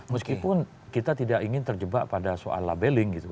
meskipun kita tidak ingin terjebak pada soal labeling gitu